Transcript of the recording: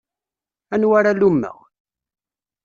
Anwa ara lummeɣ?